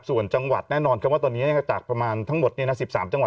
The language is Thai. ส่วนจังหวัดแน่นอนครับว่าตอนนี้จากประมาณทั้งหมด๑๓จังหวัด